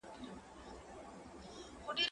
دا کتابتون له هغه ارام دی؟!